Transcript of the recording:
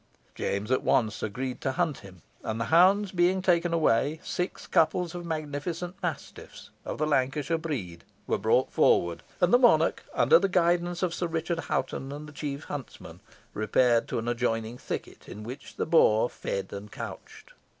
James at once agreed to hunt him, and the hounds being taken away, six couples of magnificent mastiffs, of the Lancashire breed, were brought forward, and the monarch, under the guidance of Sir Richard Hoghton and the chief huntsman, repaired to an adjoining thicket, in which the boar fed and couched.